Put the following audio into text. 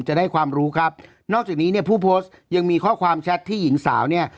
จะได้ความรู้ครับนอกจากนี้เนี่ยผู้โพสต์ยังมีข้อความแชทที่หญิงสาวเนี่ย